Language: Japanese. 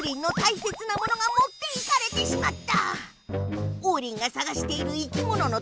オウリンの大切なものがもっていかれてしまった！